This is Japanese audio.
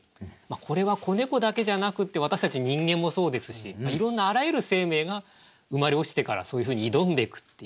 これは子猫だけじゃなくって私たち人間もそうですしいろんなあらゆる生命が生まれ落ちてからそういうふうに挑んでいくっていう。